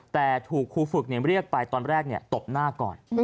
แต่ถูกครูฝึกเรียกไปตอนแรกตบหน้าก่อน